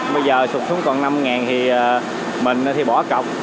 bây giờ xuất xuống còn năm thì mình thì bỏ cọc